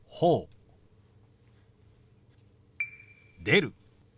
「出る」。